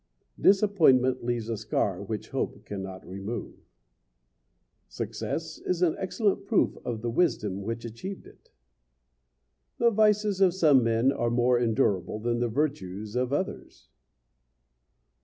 Disappointment leaves a scar which hope cannot remove. Success is an excellent proof of the wisdom which achieved it. The vices of some men are more endurable than the virtues of others.